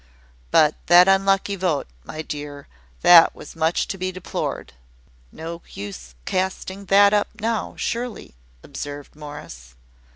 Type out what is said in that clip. But that unlucky vote, my dear, that was much to be deplored." "No use casting that up now, surely," observed Morris.